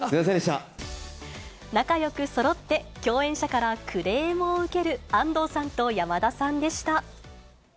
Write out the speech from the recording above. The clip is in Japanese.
仲よくそろって、共演者からクレームを受ける安藤さんと山田さんでした。